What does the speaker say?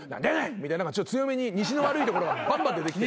みたいなちょっと強めに西の悪いところがバンバン出てきて。